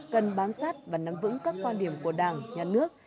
cần bám sát và nắm vững các quan điểm của đảng nhà nước